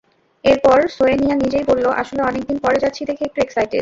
এরপর সোয়েনিয়া নিজেই বলল, আসলে অনেক দিন পরে যাচ্ছি দেখে একটু এক্সাইটেড।